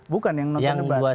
bukan yang menonton debat